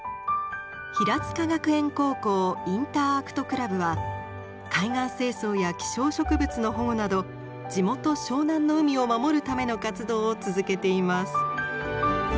平塚学園高校インターアクトクラブは海岸清掃や希少植物の保護など地元湘南の海を守るための活動を続けています。